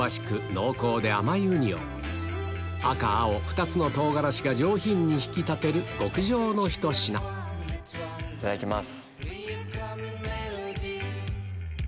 濃厚で甘いウニを赤青２つの唐辛子が上品に引き立てる極上のひと品いただきます。